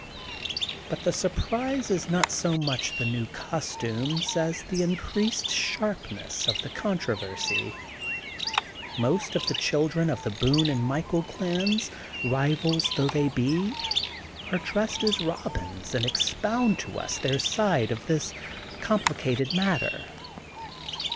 But the surprise is not so much the new costumes as the increasing sharpness of the controversy. Most of the children of the Boone and Michael clans, rivals though they be, are dressed as Bobins and expound to us their side of a com plicated matter.